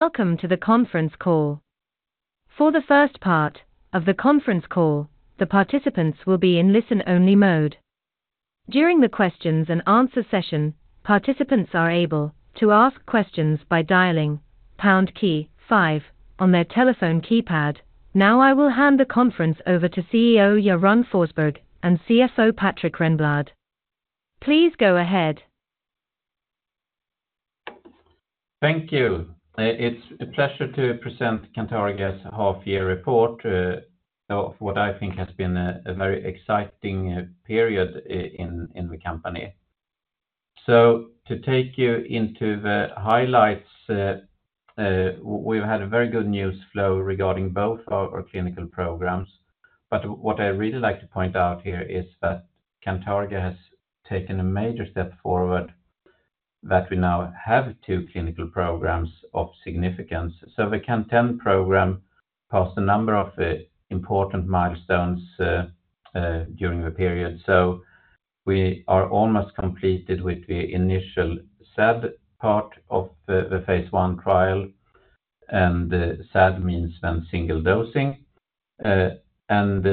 Welcome to the conference call. For the first part of the conference call, the participants will be in listen-only mode. During the questions and answer session, participants are able to ask questions by dialing pound key five on their telephone keypad. Now, I will hand the conference over to CEO Göran Forsberg and CFO Patrik Renblad. Please go ahead. Thank you. It's a pleasure to present Cantargia's half year report of what I think has been a very exciting period in the company. So to take you into the highlights, we've had a very good news flow regarding both our clinical programs. But what I'd really like to point out here is that Cantargia has taken a major step forward, that we now have two clinical programs of significance. So the CAN-10 program passed a number of important milestones during the period. So we are almost completed with the initial SAD part of the phase one trial, and the SAD means when single dosing, and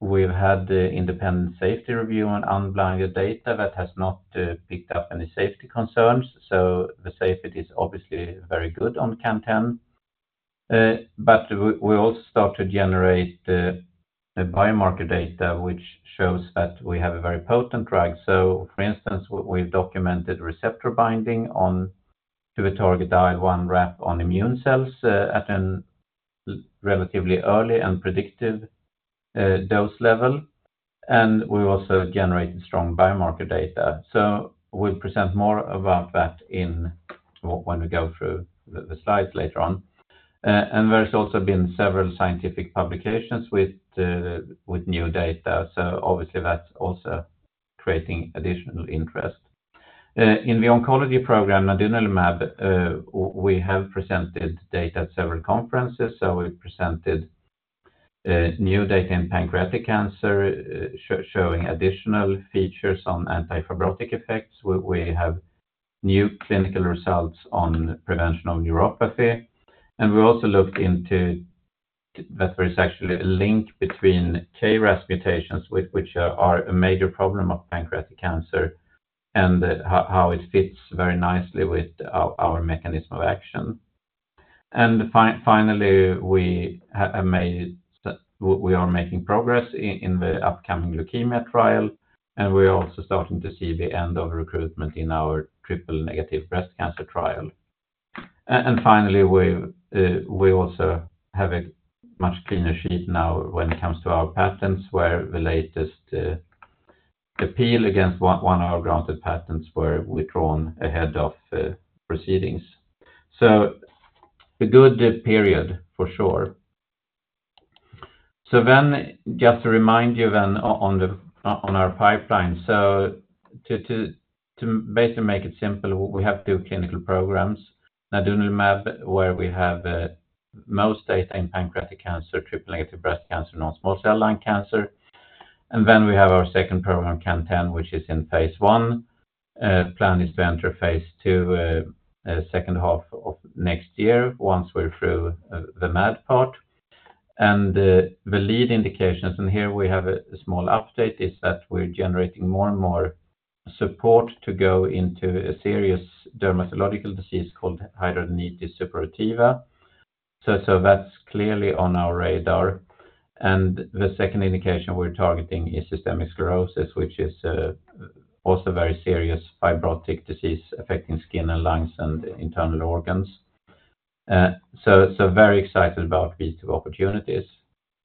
we've had the independent safety review on unblinded data that has not picked up any safety concerns, so the safety is obviously very good on CAN-10. But we also start to generate the biomarker data, which shows that we have a very potent drug. So for instance, we've documented receptor binding on to the target IL-1RAP on immune cells at a relatively early and predictive dose level, and we also generated strong biomarker data. So we'll present more about that when we go through the slides later on. And there's also been several scientific publications with new data, so obviously that's also creating additional interest. In the oncology program, nadunolimab, we have presented data at several conferences. So we presented new data in pancreatic cancer, showing additional features on anti-fibrotic effects. We have new clinical results on prevention of neuropathy, and we also looked into that there is actually a link between KRAS mutations, which are a major problem of pancreatic cancer, and how it fits very nicely with our mechanism of action. And finally, we are making progress in the upcoming leukemia trial, and we're also starting to see the end of recruitment in our triple-negative breast cancer trial. And finally, we also have a much cleaner sheet now when it comes to our patents, where the latest appeal against one of our granted patents were withdrawn ahead of proceedings. So a good period, for sure. So then just to remind you then on our pipeline. So to basically make it simple, we have two clinical programs. Nadunolimab, where we have most data in pancreatic cancer, triple-negative breast cancer, non-small cell lung cancer. And then we have our second program, CAN-10, which is in phase one. Plan is to enter Phase II second half of next year, once we're through the MAD part. And the lead indications, and here we have a small update, is that we're generating more and more support to go into a serious dermatological disease called hidradenitis suppurativa. So that's clearly on our radar. And the second indication we're targeting is systemic sclerosis, which is also very serious fibrotic disease affecting skin and lungs and internal organs. So very excited about these two opportunities.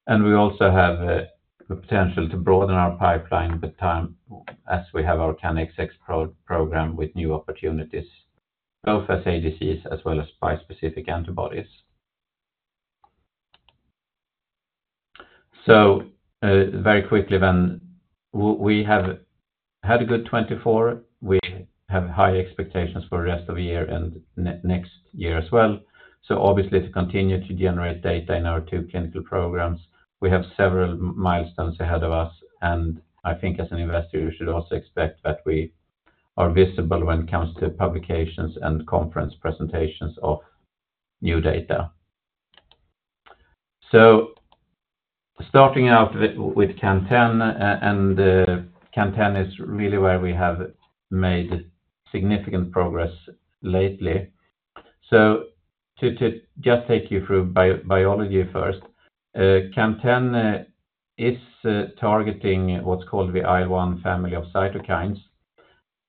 We also have the potential to broaden our pipeline with time, as we have our CANX platform program with new opportunities, both as a disease as well as bispecific antibodies. Very quickly then, we have had a good 2024. We have high expectations for the rest of the year and next year as well. Obviously, to continue to generate data in our two clinical programs, we have several milestones ahead of us, and I think as an investor, you should also expect that we are visible when it comes to publications and conference presentations of new data. Starting out with CAN-10, and CAN-10 is really where we have made significant progress lately. So to just take you through biology first, CAN-10 is targeting what's called the IL-1 family of cytokines,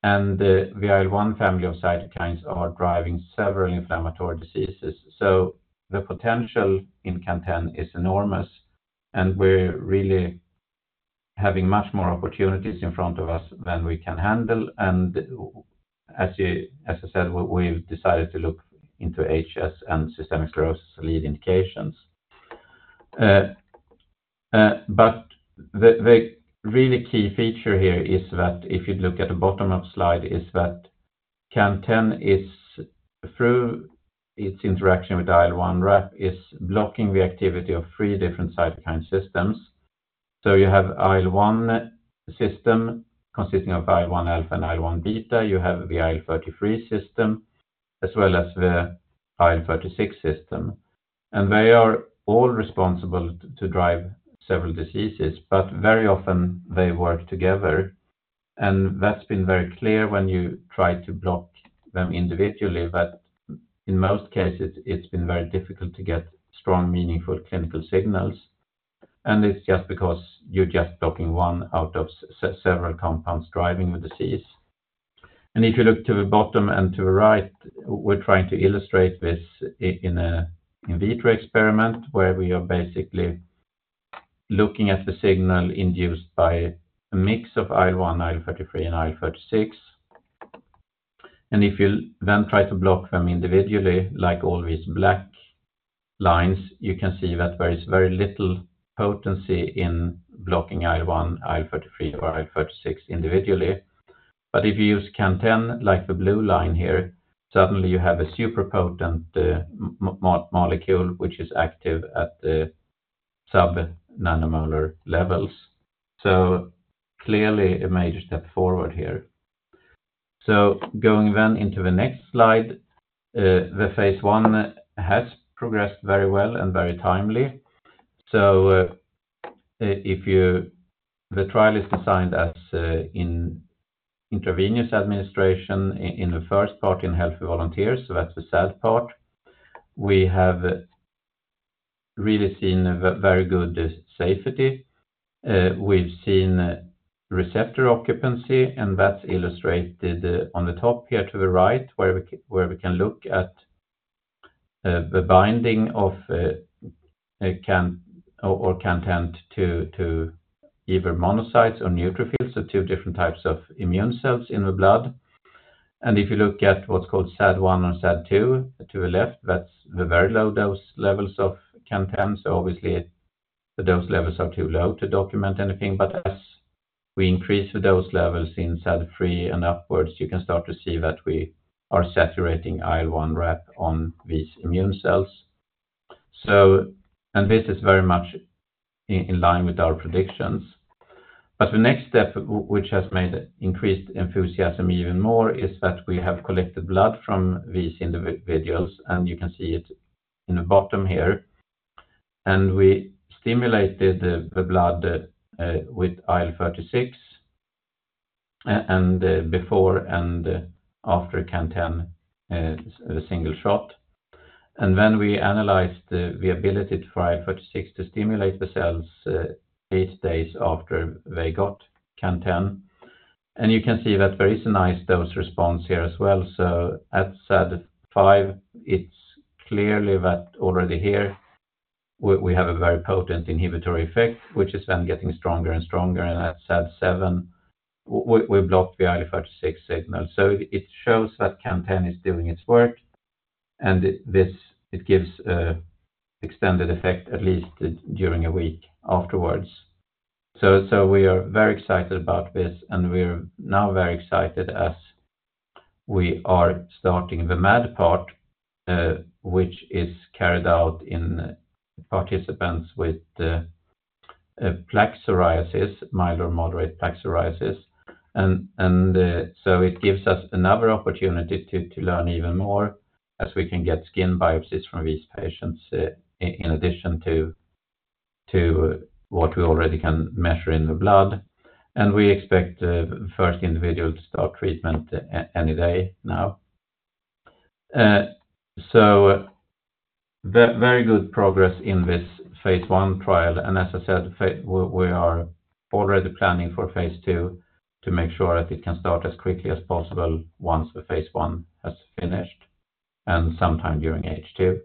and the IL-1 family of cytokines are driving several inflammatory diseases. So the potential in CAN-10 is enormous, and we're really having much more opportunities in front of us than we can handle. And as I said, we've decided to look into HS and systemic sclerosis lead indications. But the really key feature here is that if you look at the bottom of slide, is that CAN-10 is, through its interaction with IL-1RAP, is blocking the activity of three different cytokine systems. So you have IL-1 system consisting of IL-1 alpha and IL-1 beta. You have the IL-33 system, as well as the IL-36 system, and they are all responsible to drive several diseases, but very often they work together, and that's been very clear when you try to block them individually, but in most cases, it's been very difficult to get strong, meaningful clinical signals. And it's just because you're just blocking one out of several compounds driving the disease. And if you look to the bottom and to the right, we're trying to illustrate this in an in vitro experiment, where we are basically looking at the signal induced by a mix of IL-1, IL-33, and IL-36. And if you then try to block them individually, like all these black lines, you can see that there is very little potency in blocking IL-1, IL-33 or IL-36 individually. If you use CAN-10, like the blue line here, suddenly you have a super potent molecule, which is active at the sub-nanomolar levels. Clearly a major step forward here. Going then into the next slide, the phase one has progressed very well and very timely. The trial is designed as in intravenous administration in the first part, in healthy volunteers, so that's the sad part. We have really seen a very good safety. We've seen receptor occupancy, and that's illustrated on the top here to the right, where we can look at the binding of CAN-10 to either monocytes or neutrophils, the two different types of immune cells in the blood. And if you look at what's called SAD-1 and SAD-2, to the left, that's the very low dose levels of CAN-10. So obviously, the dose levels are too low to document anything, but as we increase the dose levels in SAD-3 and upwards, you can start to see that we are saturating IL-1RAP on these immune cells. So and this is very much in line with our predictions. But the next step, which has made increased enthusiasm even more, is that we have collected blood from these individuals, and you can see it in the bottom here. And we stimulated the blood with IL-36, and before and after CAN-10, the single shot. And then we analyzed the ability for IL-36 to stimulate the cells eight days after they got CAN-10. You can see that there is a nice dose response here as well. At SAD-5, it's clear that already here we have a very potent inhibitory effect, which is then getting stronger and stronger. At SAD-7, we blocked the IL-36 signal. It shows that CAN-10 is doing its work, and it gives an extended effect, at least during a week afterwards. We are very excited about this, and we're now very excited as we are starting the MAD part, which is carried out in participants with plaque psoriasis, mild or moderate plaque psoriasis. It gives us another opportunity to learn even more as we can get skin biopsies from these patients in addition to what we already can measure in the blood. We expect thirty individuals to start treatment any day now. There is very good progress in this phase one trial, and as I said, we are already planning for phase two to make sure that it can start as quickly as possible once the Phase I has finished, and sometime during H2.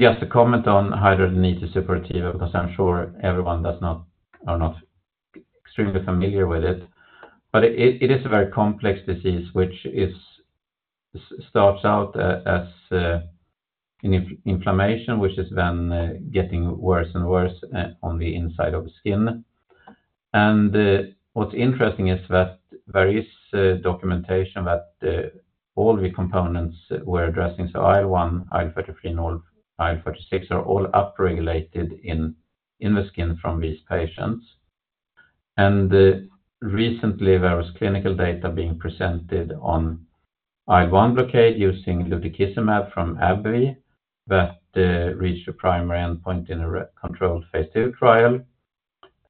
Just to comment on hidradenitis suppurativa, because I'm sure everyone does not, are not extremely familiar with it, but it is a very complex disease which starts out as inflammation, which is then getting worse and worse on the inside of the skin. What's interesting is that there is documentation that all the components we're addressing, so IL-1, IL-33, and all IL-36, are all upregulated in the skin from these patients. Recently, there was clinical data being presented on IL-1 blockade using lutikizumab from AbbVie that reached a primary endpoint in a randomized controlled Phase II trial.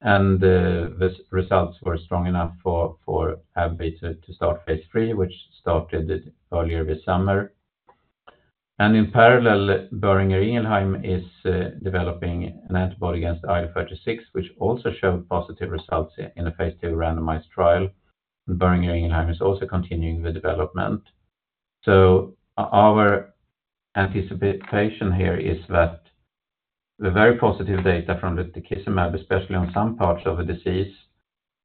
The results were strong enough for AbbVie to start Phase III, which started earlier this summer. In parallel, Boehringer Ingelheim is developing an antibody against IL-36, which also showed positive results in a Phase II randomized trial. Boehringer Ingelheim is also continuing the development. Our anticipation here is that the very positive data from lutikizumab, especially on some parts of the disease,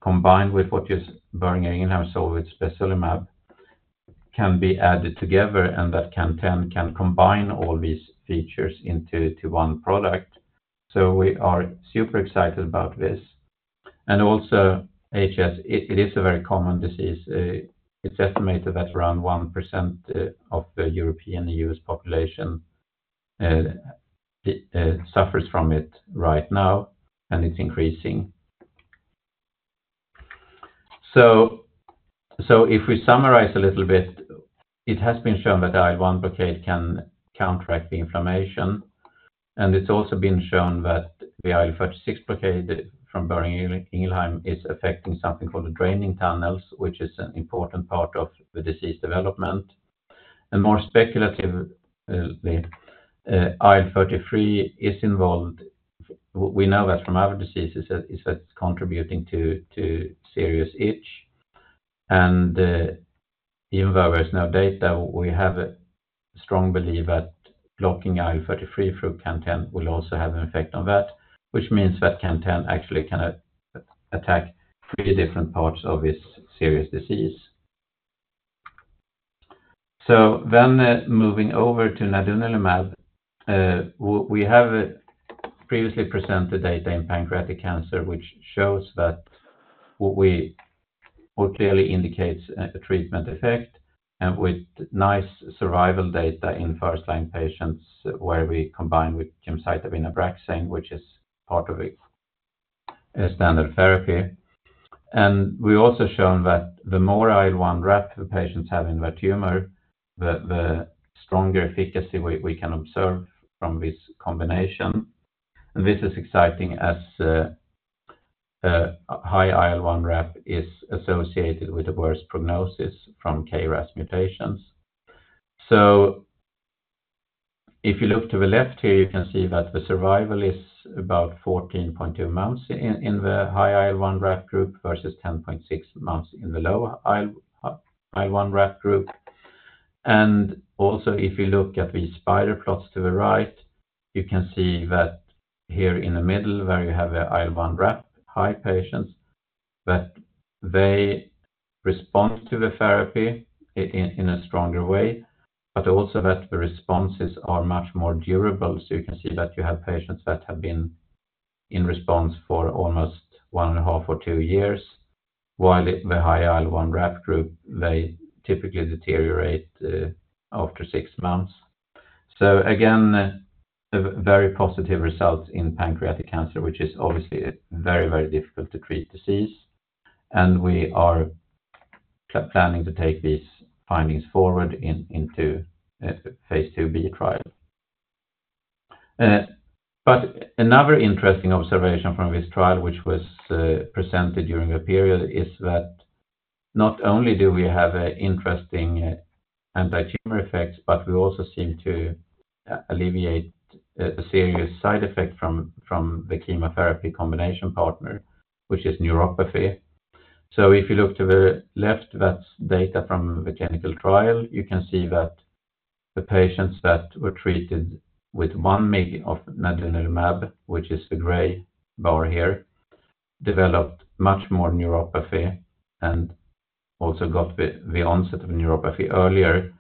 combined with what is Boehringer Ingelheim, so it's spesolimab, can be added together, and that CAN-10 can combine all these features into one product. We are super excited about this... Also, HS is a very common disease. It's estimated that around 1% of the European and U.S. population suffers from it right now, and it's increasing. So if we summarize a little bit, it has been shown that IL-1 blockade can counteract the inflammation, and it's also been shown that the IL-36 blockade from Boehringer Ingelheim is affecting something called the draining tunnels, which is an important part of the disease development. And more speculative, the IL-33 is involved. We know that from other diseases that it's contributing to serious itch, and even though there is no data, we have a strong belief that blocking IL-33 through CAN-10 will also have an effect on that, which means that CAN-10 actually can attack three different parts of this serious disease. So then, moving over to nadunolimab, we have previously presented data in pancreatic cancer, which clearly indicates a treatment effect and with nice survival data in first-line patients, where we combine with gemcitabine Abraxane, which is part of a standard therapy. And we've also shown that the more IL-1RAP the patients have in their tumor, the stronger efficacy we can observe from this combination. And this is exciting as high IL-1RAP is associated with the worst prognosis from KRAS mutations. So if you look to the left here, you can see that the survival is about 14.2 months in the high IL-1RAP group, versus 10.6 months in the lower IL-1RAP group. And also, if you look at the spider plots to the right, you can see that here in the middle, where you have a IL-1RAP high patients, that they respond to the therapy in a stronger way, but also that the responses are much more durable. So you can see that you have patients that have been in response for almost one and a half or two years, while the high IL-1RAP group, they typically deteriorate after six months. So again, a very positive result in pancreatic cancer, which is obviously a very, very difficult to treat disease, and we are planning to take these findings forward into Phase IIb trial. But another interesting observation from this trial, which was presented during the period, is that not only do we have an interesting anti-tumor effects, but we also seem to alleviate the serious side effect from the chemotherapy combination partner, which is neuropathy. So if you look to the left, that's data from the clinical trial. You can see that the patients that were treated with one mg of nadunolimab, which is the gray bar here, developed much more neuropathy and also got the onset of neuropathy earlier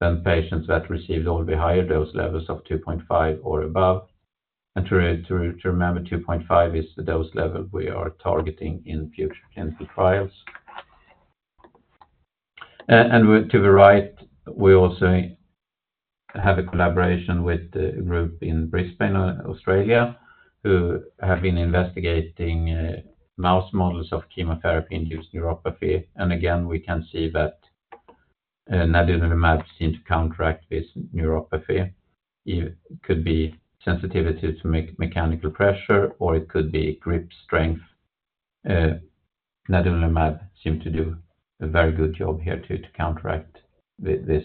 than patients that received all the higher dose levels of two point five or above. And to remember, two point five is the dose level we are targeting in future clinical trials. And to the right, we also have a collaboration with the group in Brisbane, Australia, who have been investigating mouse models of chemotherapy-induced neuropathy. And again, we can see that nadunolimab seem to counteract this neuropathy. It could be sensitivity to mechanical pressure, or it could be grip strength. Nadunolimab seem to do a very good job here to counteract this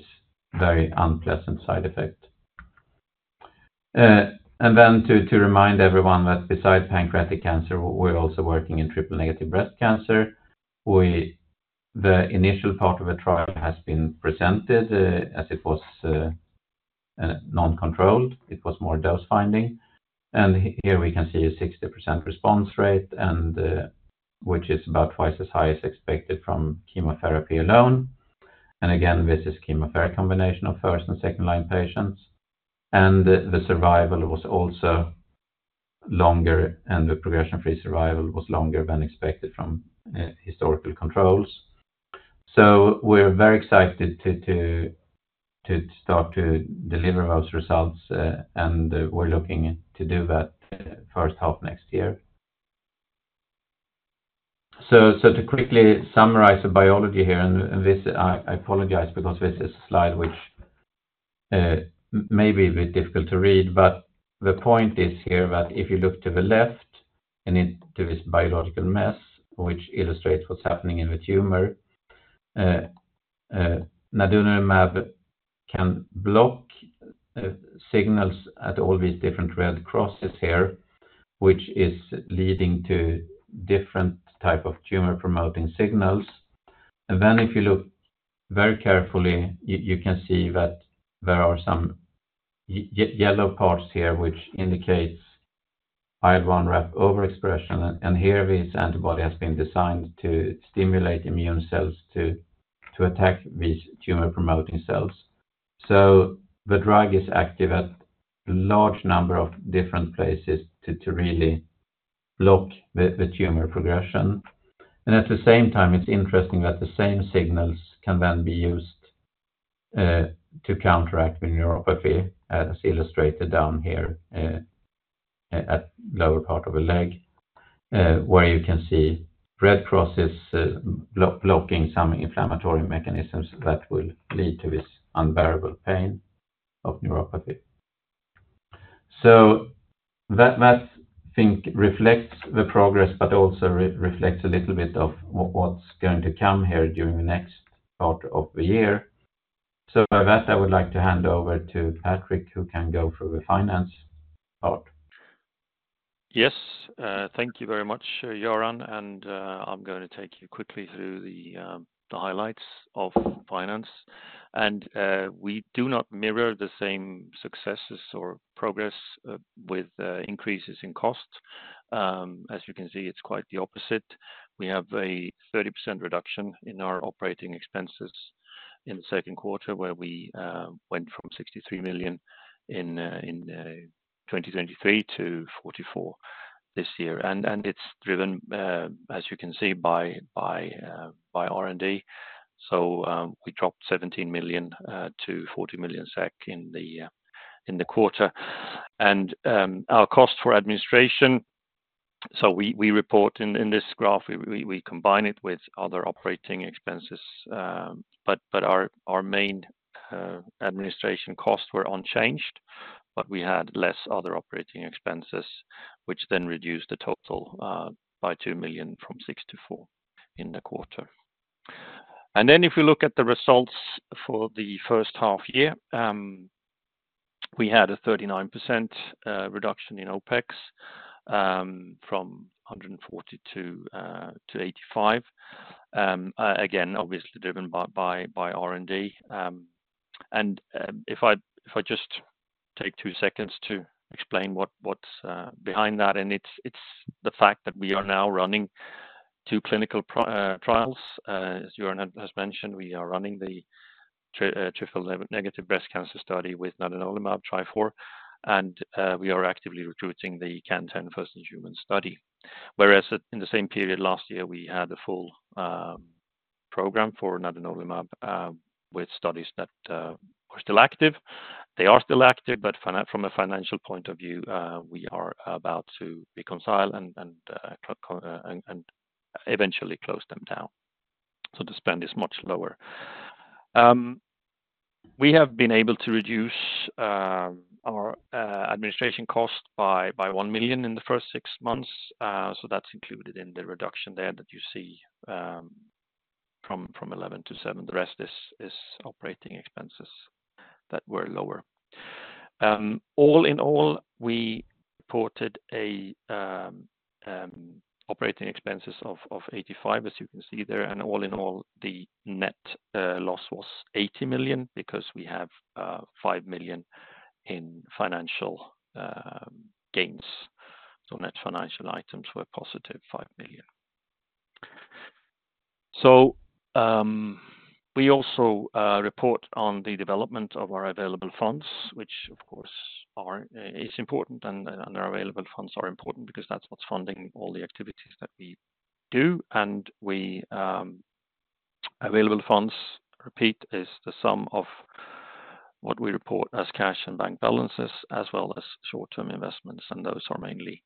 very unpleasant side effect. And then to remind everyone that besides pancreatic cancer, we're also working in triple negative breast cancer, where the initial part of the trial has been presented as it was non-controlled. It was more dose finding. And here we can see a 60% response rate and which is about twice as high as expected from chemotherapy alone. And again, this is chemotherapy combination of first and second-line patients. The survival was also longer, and the progression-free survival was longer than expected from historical controls. We're very excited to start to deliver those results, and we're looking to do that first half next year. To quickly summarize the biology here, I apologize because this is a slide which may be a bit difficult to read, but the point is here that if you look to the left and into this biological mess, which illustrates what's happening in the tumor, nadunolimab can block signals at all these different red crosses here, which is leading to different type of tumor-promoting signals. And then, if you look very carefully, you can see that there are some yellow parts here, which indicates IL-1RAP overexpression, and here, this antibody has been designed to stimulate immune cells to attack these tumor-promoting cells. So the drug is active at a large number of different places to really block the tumor progression. And at the same time, it's interesting that the same signals can then be used to counteract the neuropathy, as illustrated down here, at lower part of the leg, where you can see red crosses, blocking some inflammatory mechanisms that will lead to this unbearable pain of neuropathy. So that I think reflects the progress, but also reflects a little bit of what's going to come here during the next part of the year. So with that, I would like to hand over to Patrik, who can go through the finance part. Yes, thank you very much, Göran, and I'm gonna take you quickly through the highlights of finance, and we do not mirror the same successes or progress with increases in costs. As you can see, it's quite the opposite. We have a 30% reduction in our operating expenses in the second quarter, where we went from 63 million in 2023 to 44 million this year, and it's driven, as you can see, by R&D. So, we dropped 17 million-40 million SEK in the quarter. Our cost for administration, so we report in this graph. We combine it with other operating expenses, but our main administration costs were unchanged, but we had less other operating expenses, which then reduced the total by 2 million, from 6-4 in the quarter. Then if you look at the results for the first half year, we had a 39% reduction in OpEx, from 140 to 85. Again, obviously driven by R&D. If I just take 2 seconds to explain what's behind that, it's the fact that we are now running two clinical trials. As Göran has mentioned, we are running the triple negative breast cancer study with nadunolimab TRIFOUR, and we are actively recruiting the CAN-10 first-in-human study. Whereas in the same period last year, we had a full program for nadunolimab with studies that were still active. They are still active, but from a financial point of view, we are about to reconcile and eventually close them down, so the spend is much lower. We have been able to reduce our administration cost by 1 million in the first six months. So that's included in the reduction there that you see from 11-7. The rest is operating expenses that were lower. All in all, we reported operating expenses of 85 million, as you can see there. All in all, the net loss was 80 million because we have 5 million in financial gains. Net financial items were positive 5 million. We also report on the development of our available funds, which of course are important, and our available funds are important because that's what's funding all the activities that we do. Available funds, repeat, is the sum of what we report as cash and bank balances, as well as short-term investments, and those are mainly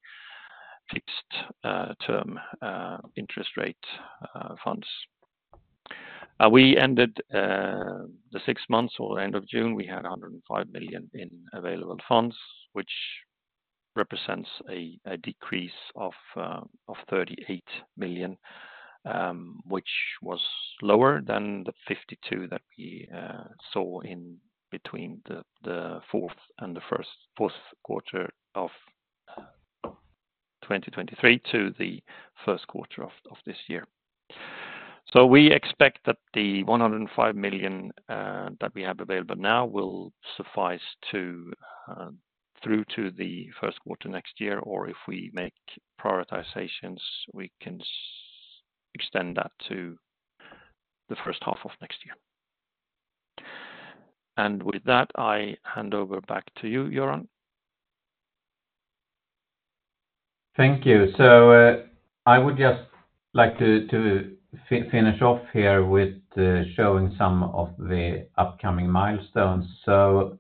fixed term interest rate funds. We ended the six months or the end of June, we had 105 million in available funds, which represents a decrease of 38 million, which was lower than the 52 that we saw in between the fourth quarter of 2023 to the first quarter of this year. So we expect that the 105 million that we have available now will suffice through to the first quarter next year, or if we make prioritizations, we can extend that to the first half of next year, and with that, I hand over back to you, Göran. Thank you. So, I would just like to finish off here with showing some of the upcoming milestones. So,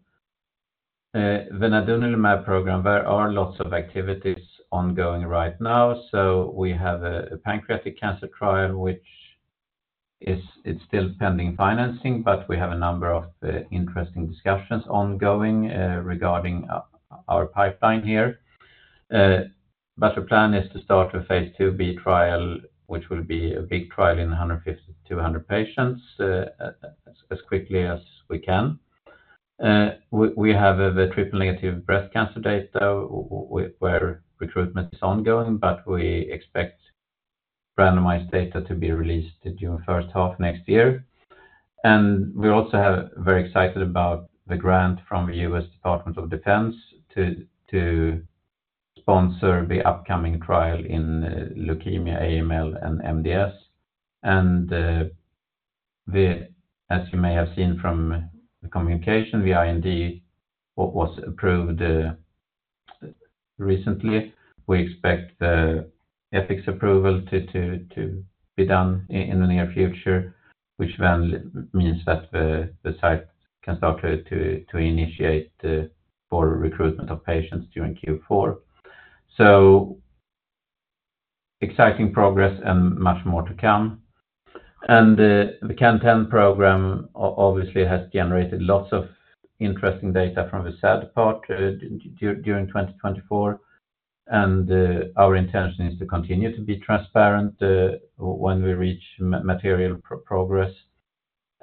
the nadunolimab program, there are lots of activities ongoing right now. So we have a pancreatic cancer trial, which it's still pending financing, but we have a number of interesting discussions ongoing regarding our pipeline here. But the plan is to start a Phase IIb trial, which will be a big trial in 150-200 patients, as quickly as we can. We have a triple-negative breast cancer data where recruitment is ongoing, but we expect randomized data to be released during first half next year. And we also have very excited about the grant from the U.S. Department of Defense to... sponsor the upcoming trial in leukemia, AML, and MDS. We, as you may have seen from the communication, we are indeed what was approved recently. We expect the ethics approval to be done in the near future, which then means that the site can start to initiate for recruitment of patients during Q4. Exciting progress and much more to come. The CAN-10 program obviously has generated lots of interesting data from the SAD part during 2024, and our intention is to continue to be transparent when we reach material progress.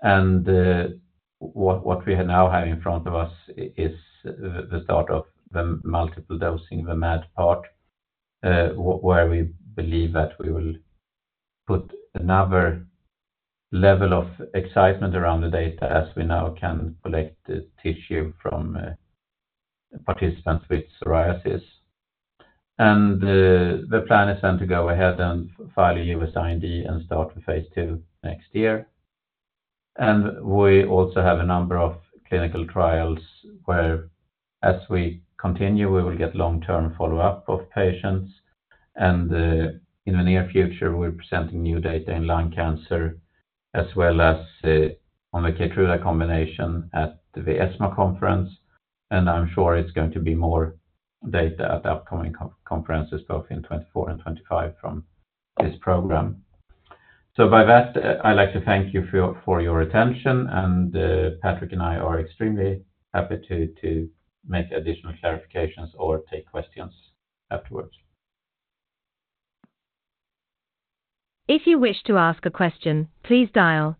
And, what we now have in front of us is the start of the multiple dosing, the MAD part, where we believe that we will put another level of excitement around the data as we now can collect the tissue from participants with psoriasis. And, the plan is then to go ahead and file a U.S. IND and start with Phase II next year. And we also have a number of clinical trials, where, as we continue, we will get long-term follow-up of patients, and, in the near future, we're presenting new data in lung cancer, as well as, on the Keytruda combination at the ESMO conference. And I'm sure it's going to be more data at the upcoming conferences, both in 2024 and 2025 from this program. So by that, I'd like to thank you for your attention, and Patrik and I are extremely happy to make additional clarifications or take questions afterwards. If you wish to ask a question, please dial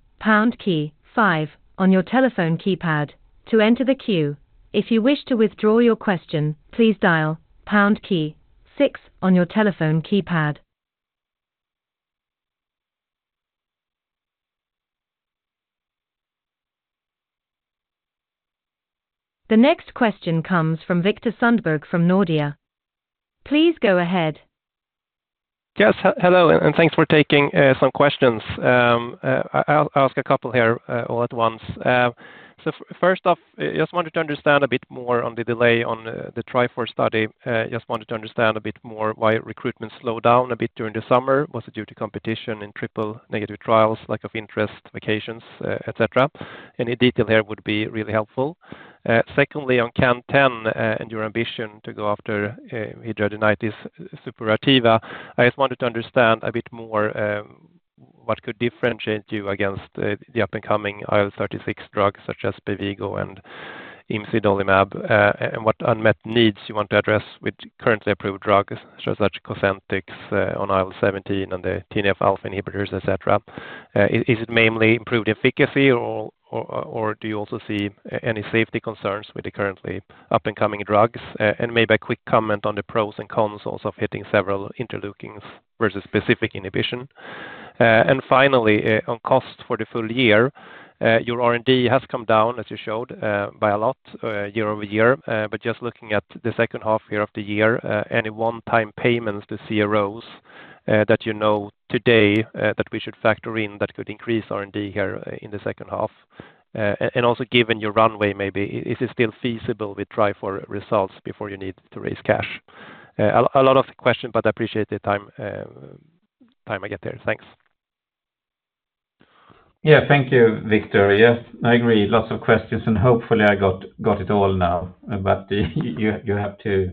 #key five on your telephone keypad to enter the queue. If you wish to withdraw your question, please dial #key six on your telephone keypad. The next question comes from Viktor Sundberg from Nordea. Please go ahead. Yes. Hello, and thanks for taking some questions. I'll ask a couple here, all at once. So first off, just wanted to understand a bit more on the delay on the TRIFOUR study. Just wanted to understand a bit more why recruitment slowed down a bit during the summer. Was it due to competition in triple-negative trials, lack of interest, vacations, et cetera? Any detail here would be really helpful. Secondly, on CAN-10, and your ambition to go after hidradenitis suppurativa, I just wanted to understand a bit more what could differentiate you against the up-and-coming IL-36 drugs, such as Spevigo and imsidolimab, and what unmet needs you want to address with currently approved drugs, such as Cosentyx on IL-17 and the TNF-alpha inhibitors, et cetera. Is it mainly improved efficacy or do you also see any safety concerns with the currently up-and-coming drugs? And maybe a quick comment on the pros and cons also of hitting several interleukins versus specific inhibition. And finally, on cost for the full year, your R&D has come down, as you showed, by a lot, year over year. But just looking at the second half year of the year, any one-time payments to CROs, that you know today, that we should factor in, that could increase R&D here in the second half. And also, given your runway, maybe, is it still feasible with TRIFOUR results before you need to raise cash? A lot of questions, but I appreciate the time, time I get there. Thanks. Yeah. Thank you, Victor. Yes, I agree. Lots of questions, and hopefully, I got it all now. But you have to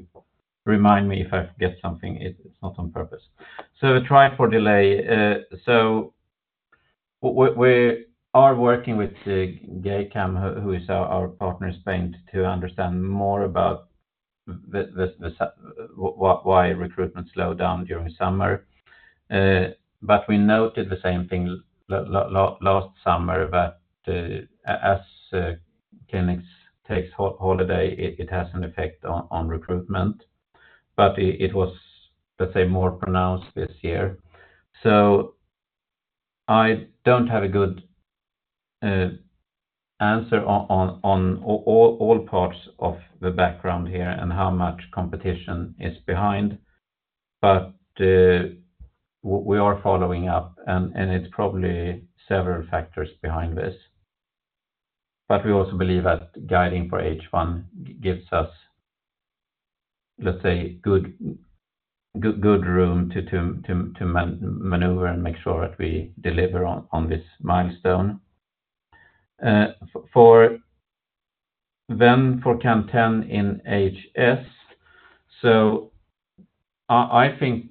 remind me if I forget something, it's not on purpose. So TRIFOUR delay. So we are working with GEICAM, who is our partner in Spain, to understand more about why recruitment slowed down during summer. But we noted the same thing last summer, that as clinics takes holiday, it has an effect on recruitment, but it was, let's say, more pronounced this year. So I don't have a good answer on all parts of the background here and how much competition is behind, but we are following up, and it's probably several factors behind this. We also believe that guiding for H1 gives us, let's say, good room to maneuver and make sure that we deliver on this milestone for CAN-10 in HS. I think,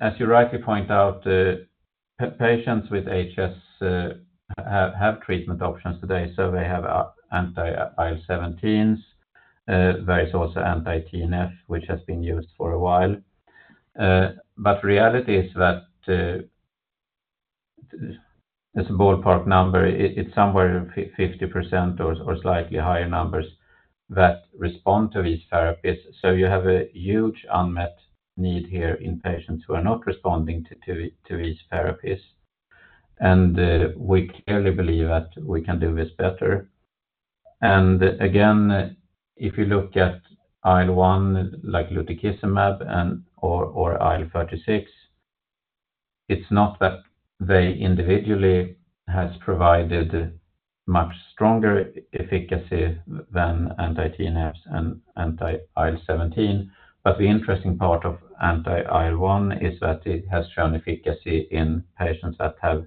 as you rightly point out, the patients with HS have treatment options today, so they have anti-IL-17s. There is also anti-TNF, which has been used for a while. Reality is that, as a ballpark number, it's somewhere 50% or slightly higher numbers that respond to these therapies. You have a huge unmet need here in patients who are not responding to these therapies, and we clearly believe that we can do this better. Again, if you look at IL-1, like lutikizumab or IL-36, it's not that they individually has provided much stronger efficacy than anti-TNFs and anti-IL-17, but the interesting part of anti-IL-1 is that it has shown efficacy in patients that have,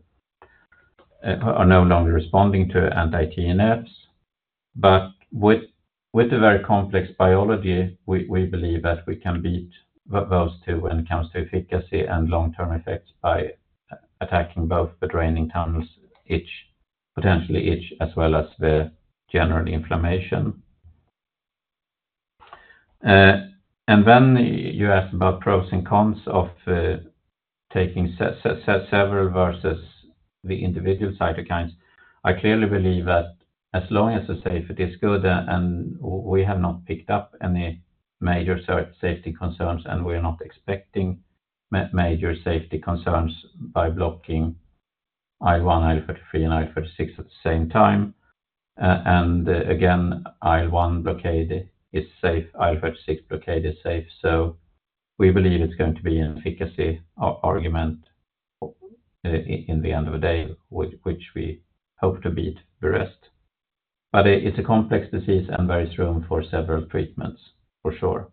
are no longer responding to anti-TNFs. With the very complex biology, we believe that we can beat those two when it comes to efficacy and long-term effects by attacking both the draining tunnels, itch, potentially itch, as well as the general inflammation. And then you asked about pros and cons of taking several versus the individual cytokines. I clearly believe that as long as the safety is good, and we have not picked up any major safety concerns, and we are not expecting major safety concerns by blocking IL-1, IL-33, and IL-36 at the same time. And again, IL-1 blockade is safe, IL-36 blockade is safe. So we believe it's going to be an efficacy argument, in the end of the day, with which we hope to beat the rest. But it's a complex disease and there is room for several treatments, for sure.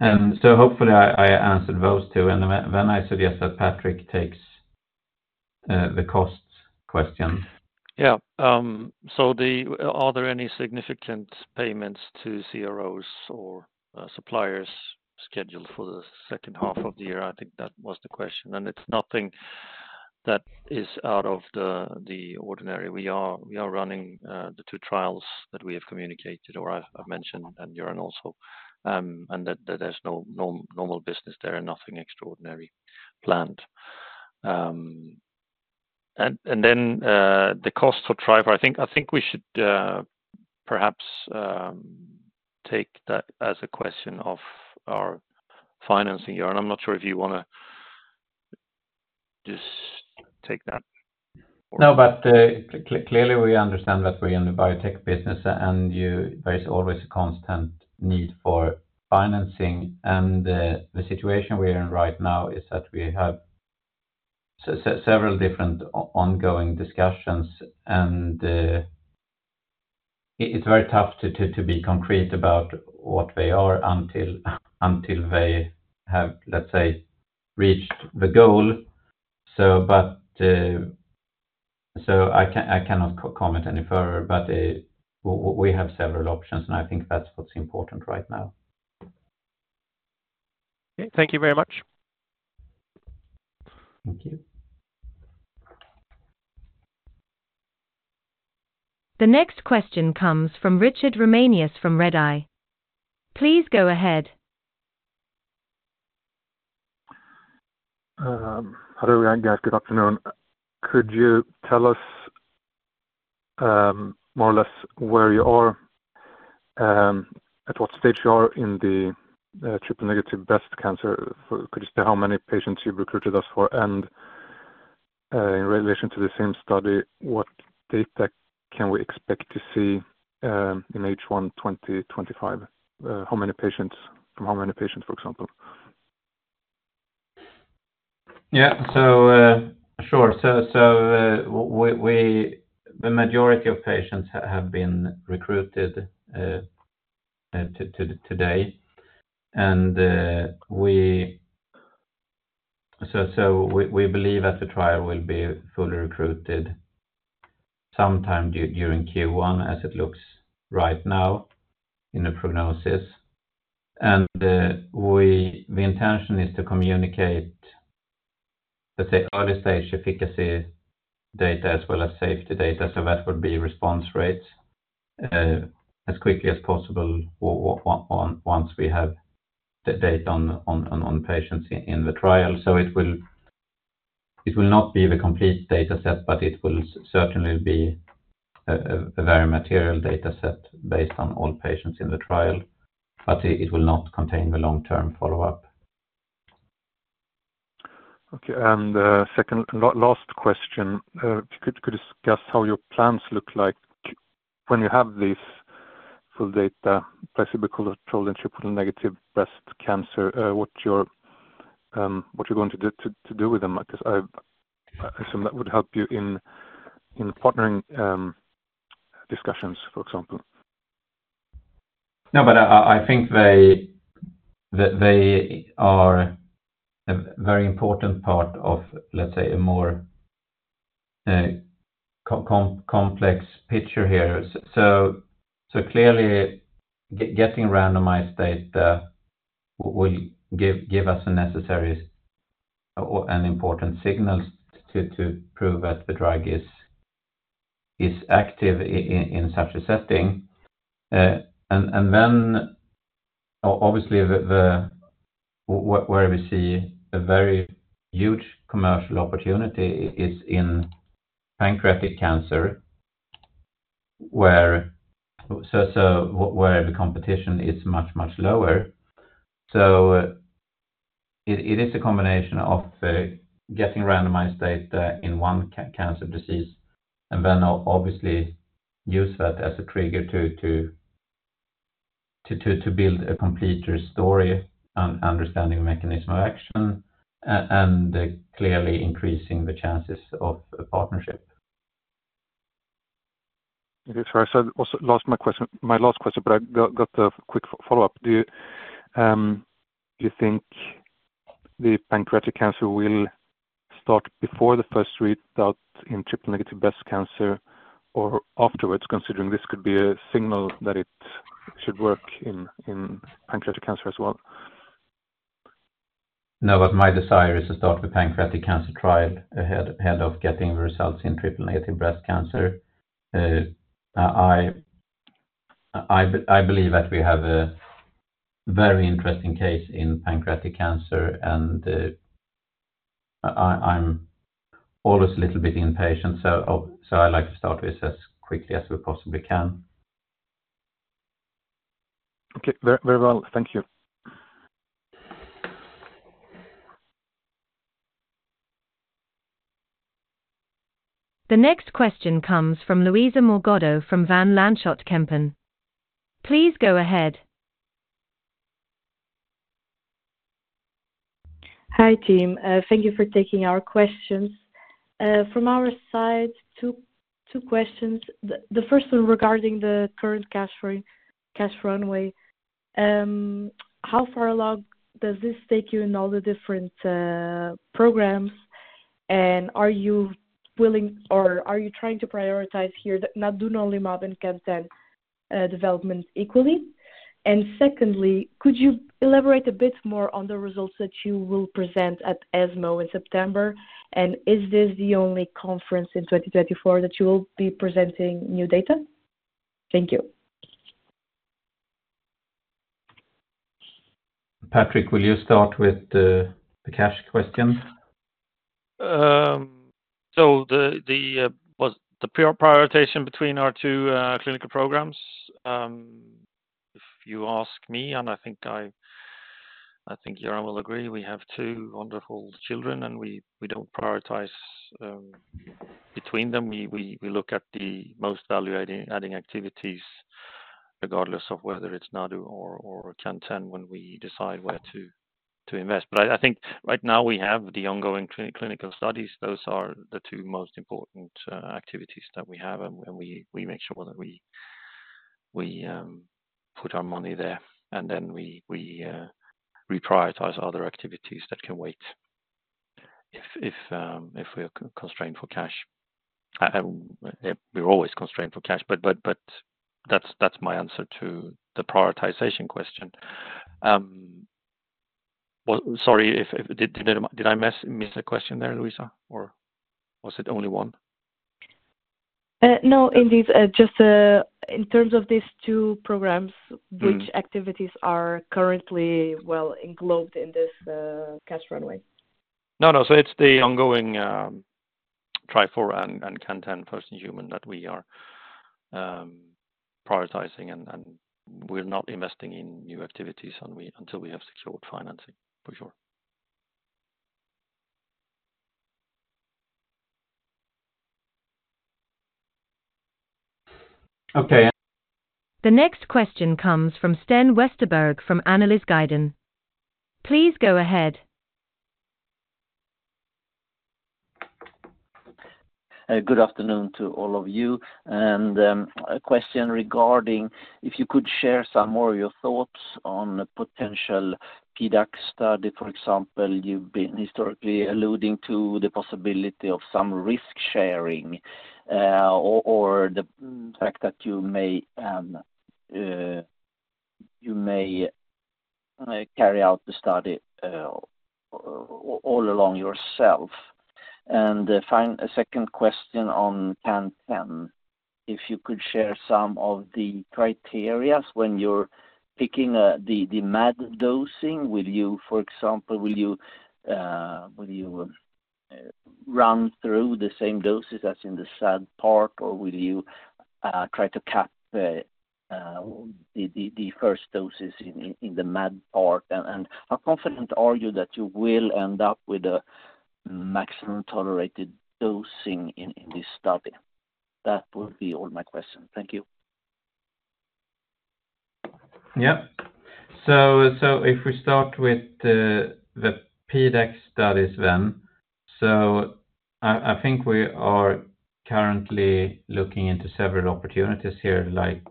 And so hopefully I answered those two, and then I suggest that Patrik takes the costs question. Yeah. So, are there any significant payments to CROs or suppliers scheduled for the second half of the year? I think that was the question, and it's nothing that is out of the ordinary. We are running the two trials that we have communicated or I've mentioned, and Göran also, and that there's no normal business there, and nothing extraordinary planned, and then the cost for trial. I think we should perhaps take that as a question of our financial year. I'm not sure if you wanna just take that? No, but clearly, we understand that we're in the biotech business, and you, there is always a constant need for financing, and the situation we are in right now is that we have several different ongoing discussions, and it's very tough to be concrete about what they are until they have, let's say, reached the goal. So, but I cannot comment any further, but we have several options, and I think that's what's important right now. Okay. Thank you very much. Thank you. The next question comes from Richard Ramanius from Redeye. Please go ahead. Hello again, guys. Good afternoon. Could you tell us more or less where you are at what stage you are in the triple-negative breast cancer? Could you say how many patients you've recruited thus far? And, in relation to the same study, what data can we expect to see in H1 2025? How many patients from how many patients, for example? Yeah. So, sure. So, the majority of patients have been recruited to today, and we believe that the trial will be fully recruited sometime during Q1, as it looks right now in the prognosis. And the intention is to communicate, let's say, early stage efficacy data as well as safety data, so that would be response rates, as quickly as possible, once we have the data on patients in the trial. So it will not be the complete data set, but it will certainly be a very material data set based on all patients in the trial, but it will not contain the long-term follow-up. Okay, and second, last question. If you could discuss how your plans look like when you have this full data, placebo-controlled and triple-negative breast cancer, what you're going to do with them? I guess I assume that would help you in partnering discussions, for example. No, but I think they are a very important part of, let's say, a more complex picture here. So clearly, getting randomized data will give us the necessary and important signals to prove that the drug is active in such a setting. And then, obviously, where we see a very huge commercial opportunity is in pancreatic cancer, where the competition is much lower. So it is a combination of the getting randomized data in one cancer disease, and then obviously use that as a trigger to build a completer story and understanding mechanism of action, and clearly increasing the chances of a partnership. Okay. So I said also my last question, but I got a quick follow-up. Do you think the pancreatic cancer will start before the first read out in triple negative breast cancer or afterwards, considering this could be a signal that it should work in pancreatic cancer as well? No, but my desire is to start with pancreatic cancer trial ahead of getting the results in triple negative breast cancer. I believe that we have a very interesting case in pancreatic cancer, and I’m always a little bit impatient, so I like to start with as quickly as we possibly can. Okay. Very, very well. Thank you. The next question comes from Luisa Morgado, from Van Lanschot Kempen. Please go ahead. Hi, team. Thank you for taking our questions. From our side, two questions. The first one regarding the current cash runway, how far along does this take you in all the different programs? And are you willing or are you trying to prioritize here, that nadunolimab and CAN-10 development equally? And secondly, could you elaborate a bit more on the results that you will present at ESMO in September? And is this the only conference in 2024 that you will be presenting new data? Thank you. Patrik, will you start with the cash question? So the prioritization between our two clinical programs, if you ask me, and I think Göran will agree, we have two wonderful children, and we don't prioritize between them. We look at the most value adding activities, regardless of whether it's Nadu or CAN-10, when we decide where to invest. But I think right now we have the ongoing clinical studies. Those are the two most important activities that we have, and we put our money there, and then we reprioritize other activities that can wait if we are constrained for cash. We're always constrained for cash, but that's my answer to the prioritization question. Well, sorry, if I did miss a question there, Luisa, or was it only one? No, indeed. Just, in terms of these two programs- Mm. Which activities are currently well encompassed in this cash runway? No, no. So it's the ongoing TRIFOUR and CAN-10 first in human that we are prioritizing, and we're not investing in new activities until we have secured financing, for sure. Okay. The next question comes from Sten Westerberg, from Analysguiden. Please go ahead. Good afternoon to all of you, and a question regarding if you could share some more of your thoughts on a potential PDAC study, for example, you've been historically alluding to the possibility of some risk-sharing, or the fact that you may carry out the study all along yourself. And a second question on CAN-10. If you could share some of the criteria when you're picking the MAD dosing, will you, for example, will you run through the same doses as in the SAD part, or will you try to cap the first doses in the MAD part? And how confident are you that you will end up with a maximum tolerated dosing in this study? That will be all my questions. Thank you. Yeah, so if we start with the PDAC studies then. I think we are currently looking into several opportunities here, like,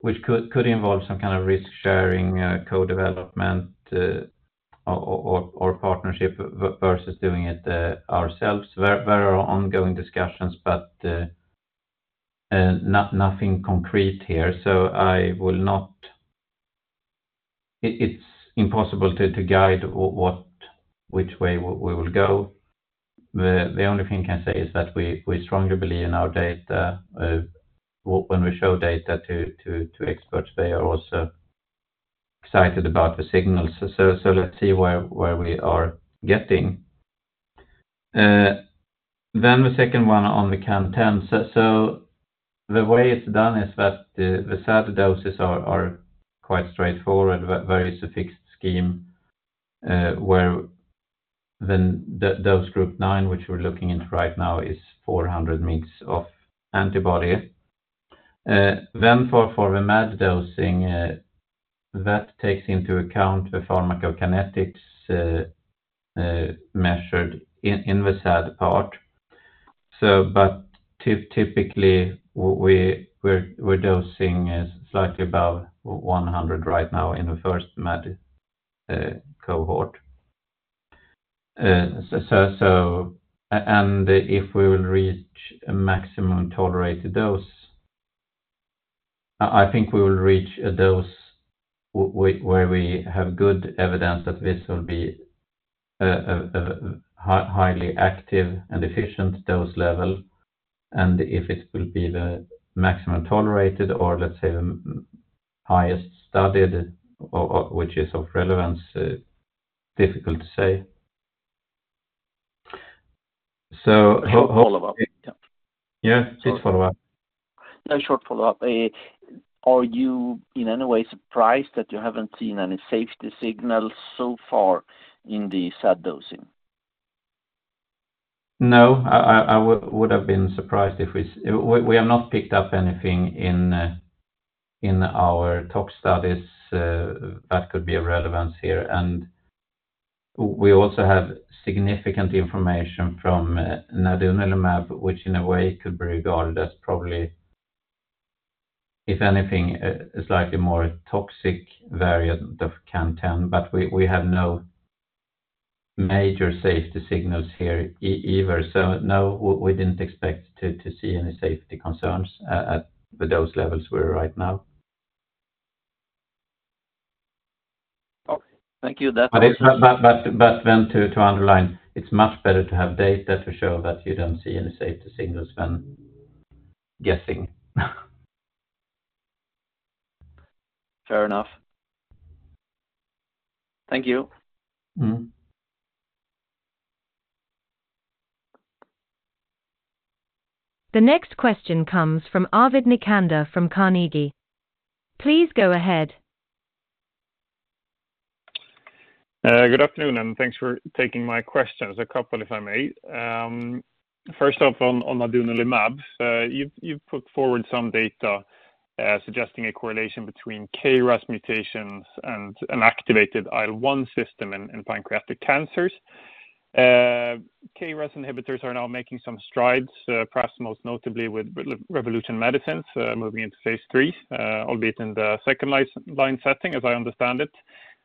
which could involve some kind of risk-sharing, co-development, or partnership versus doing it ourselves. There are ongoing discussions, but nothing concrete here, so I will not. It's impossible to guide which way we will go. The only thing I can say is that we strongly believe in our data. When we show data to experts, they are also excited about the signals, so let's see where we are getting, then the second one on the CAN-10. The way it's done is that the SAD doses are quite straightforward, but there is a fixed scheme where then the dose group nine, which we're looking into right now, is 400 mg of antibody. Then for the MAD dosing, that takes into account the pharmacokinetics measured in the SAD part. But typically, we're dosing slightly above 100 right now in the first MAD cohort. And if we will reach a maximum tolerated dose, I think we will reach a dose where we have good evidence that this will be a highly active and efficient dose level, and if it will be the maximum tolerated or let's say the highest studied, which is of relevance, difficult to say. So ho- Follow-up. Yes, please follow up. A short follow-up. Are you in any way surprised that you haven't seen any safety signals so far in the SAD dosing? No, I would have been surprised if we... We have not picked up anything in our tox studies that could be of relevance here, and we also have significant information from nadunolimab, which in a way could be regarded as probably, if anything, a slightly more toxic variant of CAN-10, but we have no major safety signals here either, so no, we didn't expect to see any safety concerns at the dose levels we're right now. Okay. Thank you. That's- But then to underline, it's much better to have data to show that you don't see any safety signals than guessing. Fair enough. Thank you. Mm-hmm. The next question comes from Arvid Necander from Carnegie. Please go ahead. Good afternoon, and thanks for taking my questions. A couple, if I may. First off, on nadunolimab, you've put forward some data suggesting a correlation between KRAS mutations and an activated IL-1 system in pancreatic cancers. KRAS inhibitors are now making some strides, perhaps most notably with Revolution Medicines moving into Phase III, albeit in the second line setting, as I understand it.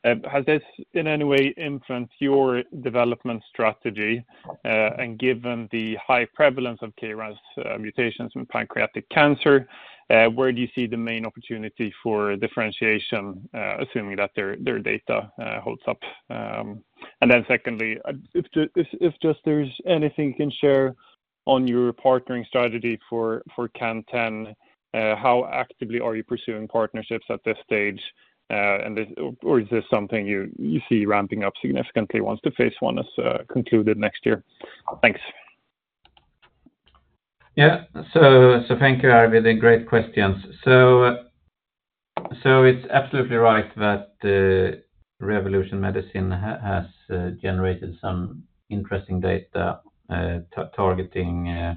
Has this, in any way, influenced your development strategy, and given the high prevalence of KRAS mutations in pancreatic cancer, where do you see the main opportunity for differentiation, assuming that their data holds up? And then secondly, if just there's anything you can share on your partnering strategy for CAN-10, how actively are you pursuing partnerships at this stage, and, or, is this something you see ramping up significantly once the Phase I is concluded next year? Thanks. Yeah. So thank you, Arvid. Great questions. So it's absolutely right that Revolution Medicines has generated some interesting data targeting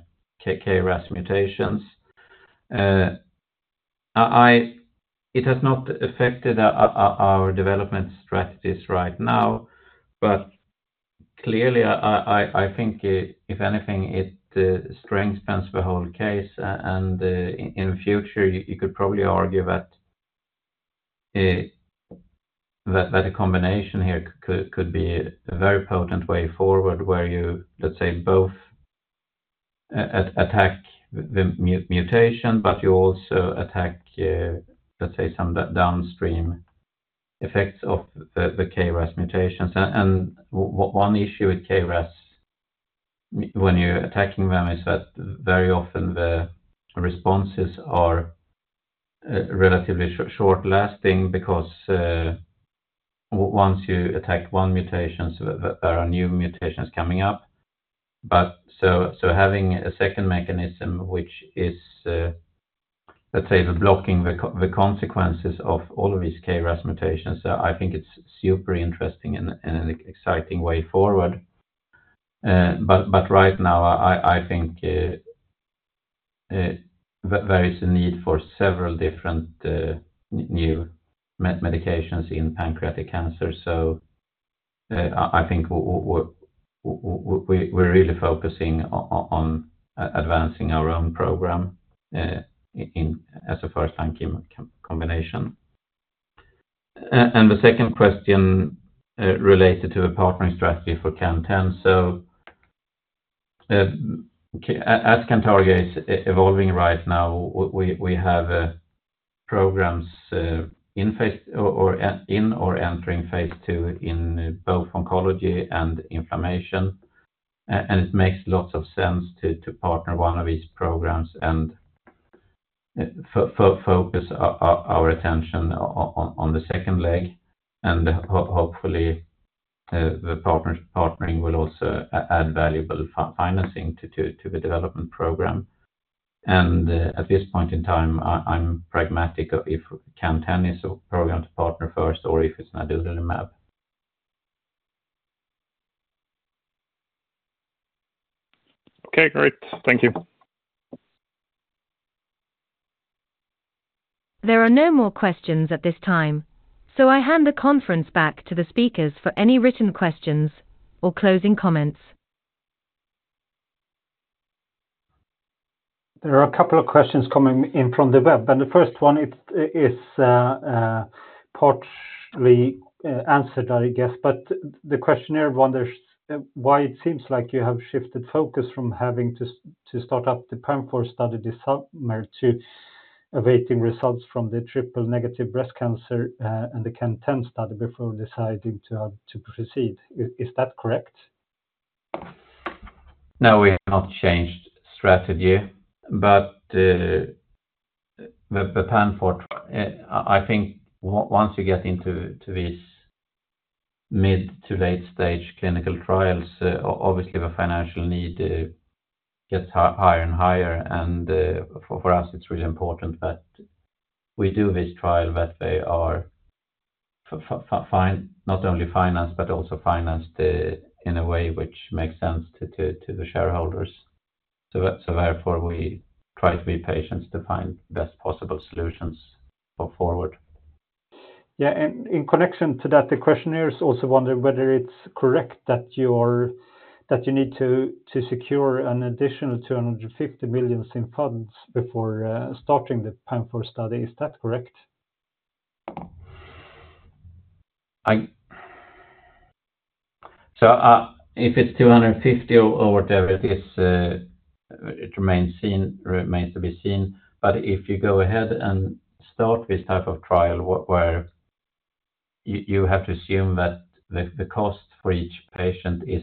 KRAS mutations. It has not affected our development strategies right now, but clearly I think if anything it strengthens the whole case. And in future you could probably argue that a combination here could be a very potent way forward, where you let's say both attack the mutation, but you also attack let's say some downstream effects of the KRAS mutations. One issue with KRAS, when you're attacking them, is that very often the responses are relatively short lasting because once you attack one mutations, there are new mutations coming up. But so having a second mechanism, which is, let's say, the blocking the consequences of all of these KRAS mutations, so I think it's super interesting and an exciting way forward. But right now, I think there is a need for several different new medications in pancreatic cancer. So I think we're really focusing on advancing our own program in as a first-line chemo combination. And the second question related to the partnering strategy for CAN-10. As Cantargia is evolving right now, we have programs in phase or entering Phase II in both oncology and inflammation. It makes lots of sense to partner one of these programs, and focus our attention on the second leg, and hopefully, the partnering will also add valuable financing to the development program. At this point in time, I'm pragmatic if CAN-10 is a program to partner first or if it's Nadunolimab. Okay, great. Thank you. There are no more questions at this time, so I hand the conference back to the speakers for any written questions or closing comments. There are a couple of questions coming in from the web, and the first one is partially answered, I guess. But the questioner wonders why it seems like you have shifted focus from having to start up the PANFOUR study this summer to awaiting results from the triple-negative breast cancer and the CAN-10 study before deciding to proceed. Is that correct? No, we have not changed strategy, but the PANFOUR. I think once you get into this mid to late stage clinical trials, obviously the financial need gets higher and higher, and for us, it's really important that we do this trial, that they are fine, not only financed, but also financed in a way which makes sense to the shareholders, so that's therefore we try to be patient to find best possible solutions go forward. Yeah, and in connection to that, the questionnaires also wonder whether it's correct that you need to secure an additional 250 million in funds before starting the PANFOUR study. Is that correct? If it's two hundred and fifty or whatever it is, it remains to be seen. But if you go ahead and start this type of trial, where you have to assume that the cost for each patient is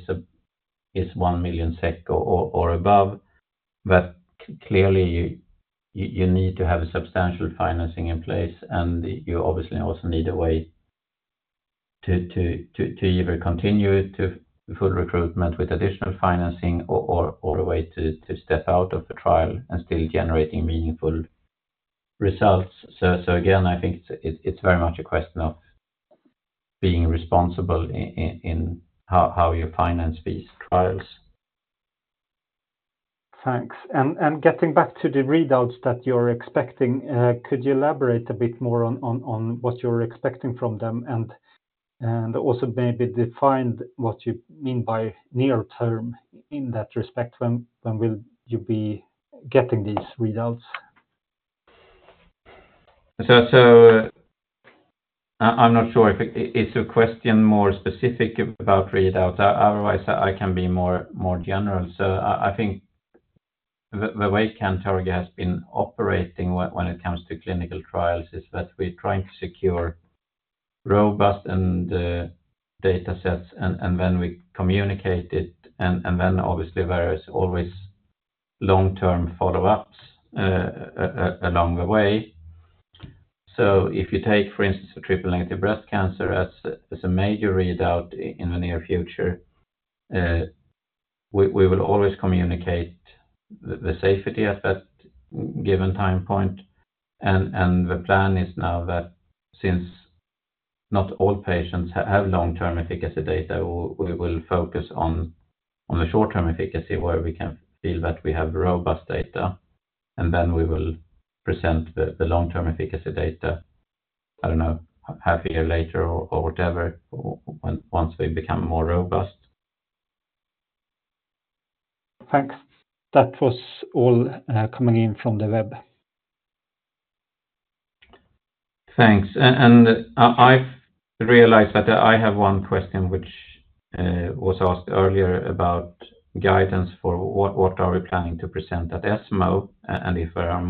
1 million SEK or above. But clearly, you need to have a substantial financing in place, and you obviously also need a way to either continue to full recruitment with additional financing or a way to step out of the trial and still generating meaningful results. So again, I think it's very much a question of being responsible in how you finance these trials. Thanks. And getting back to the readouts that you're expecting, could you elaborate a bit more on what you're expecting from them? And also maybe define what you mean by near term in that respect, when will you be getting these readouts? I'm not sure if it's a question more specific about readouts. Otherwise, I can be more general. I think the way Cantargia has been operating when it comes to clinical trials is that we're trying to secure robust and data sets, and then we communicate it, and then obviously there is always long-term follow-ups along the way. If you take, for instance, triple negative breast cancer as a major readout in the near future, we will always communicate the safety at that given time point. The plan is now that since not all patients have long-term efficacy data, we will focus on the short-term efficacy, where we can feel that we have robust data, and then we will present the long-term efficacy data, I don't know, half a year later or whatever, once they become more robust. Thanks. That was all, coming in from the web. Thanks. And I have realized that I have one question which was asked earlier about guidance for what are we planning to present at ESMO, and if there are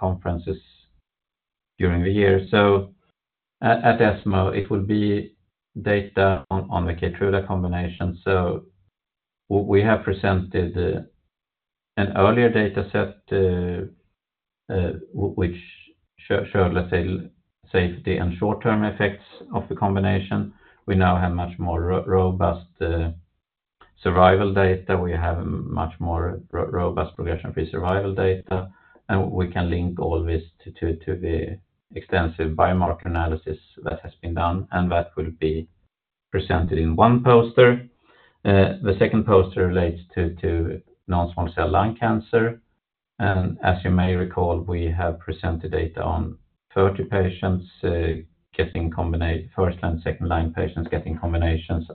more conferences during the year. So at ESMO, it will be data on the Keytruda combination. So we have presented an earlier data set which showed, let's say, safety and short-term effects of the combination. We now have much more robust survival data. We have a much more robust progression-free survival data, and we can link all this to the extensive biomarker analysis that has been done, and that will be presented in one poster. The second poster relates to non-small cell lung cancer. As you may recall, we have presented data on thirty patients getting combination first and second line patients, getting combinations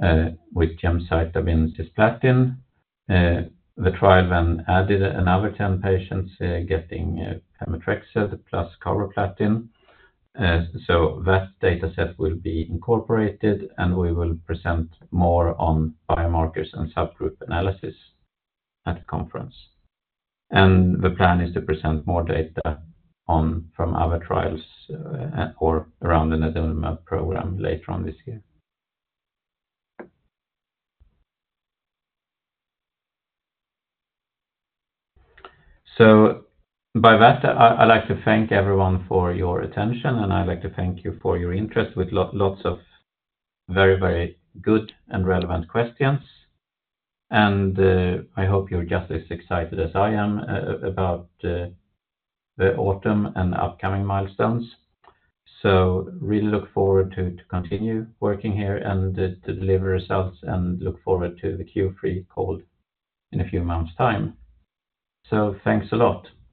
with gemcitabine plus cisplatin. The trial then added another ten patients getting pemetrexed plus carboplatin. So that data set will be incorporated, and we will present more on biomarkers and subgroup analysis at the conference. The plan is to present more data from other trials or around the nadunolimab program later on this year. By that, I'd like to thank everyone for your attention, and I'd like to thank you for your interest with lots of very, very good and relevant questions. I hope you're just as excited as I am about the autumn and upcoming milestones. So really look forward to continue working here and to deliver results, and look forward to the Q3 call in a few months' time. So thanks a lot.